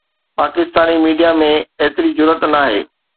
Pakistani media ۾ ايتري جرئت ناهي